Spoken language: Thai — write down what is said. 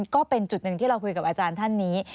ก็เป็นจุดหนึ่งที่เราคุยกับอาจารย์ท่านนี้